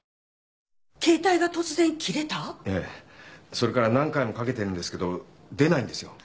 それから何回もかけてるんですけど出ないんですよ。